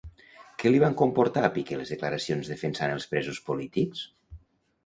Què li van comportar a Piqué les declaracions defensant els presos polítics?